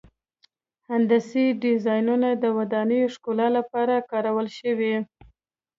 هندسي ډیزاینونه د ودانیو ښکلا لپاره کارول شوي.